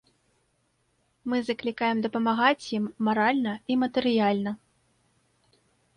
Мы заклікаем дапамагаць ім маральна і матэрыяльна.